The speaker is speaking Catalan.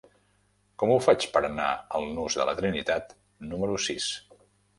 Com ho faig per anar al nus de la Trinitat número sis?